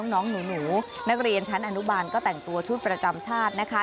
น้องหนูนักเรียนชั้นอนุบาลก็แต่งตัวชุดประจำชาตินะคะ